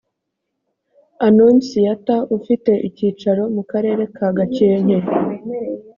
anonsiyata ufite icyicaro mu karere ka gakenke